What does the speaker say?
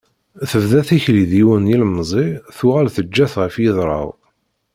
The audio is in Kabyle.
Tebda tikli d yiwen n yilemẓi tuɣal teǧǧa-t ɣef yidra-w.